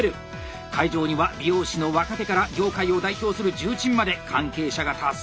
会場には美容師の若手から業界を代表する重鎮まで関係者が多数。